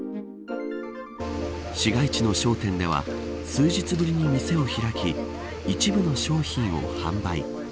市街地の商店では数日ぶりに店を開き一部の商品を販売。